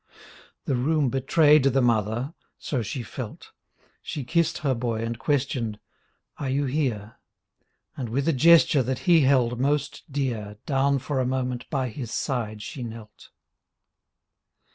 The room betrayed the mother — so she felt — She kissed her boy and questioned "Are you here?" And with a gesture that he held most dear Down for a moment by his side she knelt.